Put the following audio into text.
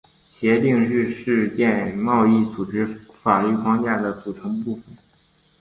协定是世界贸易组织法律框架的组成部分。